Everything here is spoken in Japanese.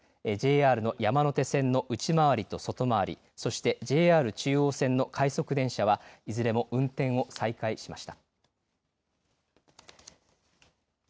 ＪＲの山手線の内回りと外回りそしてＪＲ中央線の快速電車はいずれも運転を再開しました。